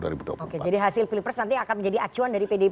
oke jadi hasil pilpres nanti akan menjadi acuan dari pdip